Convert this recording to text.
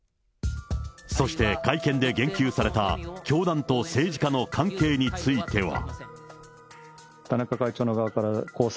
そして会見で言及された教団と政治家の関係については。